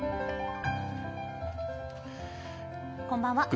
こんばんは。